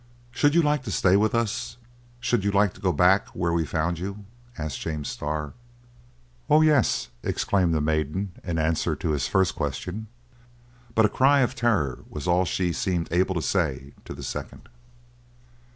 "Should you like to stay with us? Should you like to go back to where we found you?" asked James Starr. "Oh, yes!" exclaimed the maiden, in answer to his first question; but a cry of terror was all she seemed able to say to the second.